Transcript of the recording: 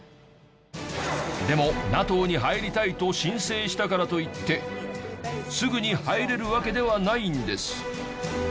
でもＮＡＴＯに入りたいと申請したからといってすぐに入れるわけではないんです。